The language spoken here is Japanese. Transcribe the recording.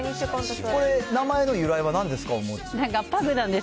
これ、名前の由来はなんですか？